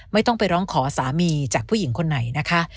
ไม่ต้องไปร้องขอสามีจากผู้หญิงคนไหนนะคะ